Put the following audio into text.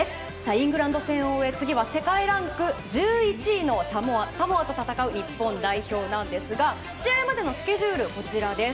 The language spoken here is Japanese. イングランド戦を終え次は世界ランク１１位のサモアと戦う日本代表なんですが試合までのスケジュールこちらです。